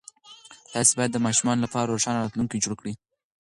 تاسې باید د ماشومانو لپاره روښانه راتلونکی جوړ کړئ.